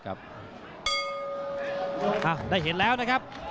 ได้เห็นแล้วนะครับ